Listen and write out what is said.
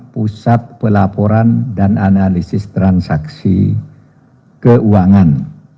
pusat pelaporan dan analisis transaksi keuangan